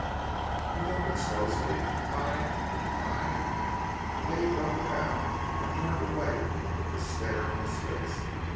"But don't expose me. I I " Hay broke down and turned away with a look of despair on his face.